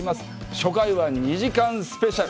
初回は２時間スペシャル。